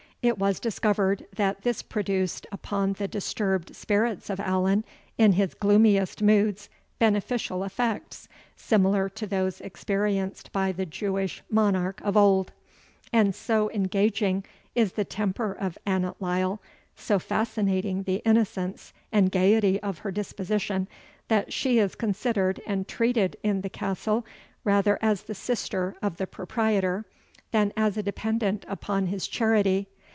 It was discovered that this produced upon the disturbed spirits of Allan, in his gloomiest moods, beneficial effects, similar to those experienced by the Jewish monarch of old; and so engaging is the temper of Annot Lyle, so fascinating the innocence and gaiety of her disposition, that she is considered and treated in the castle rather as the sister of the proprietor, than as a dependent upon his charity.